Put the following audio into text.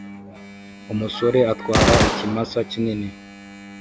Umusore atwara ikimasa kinini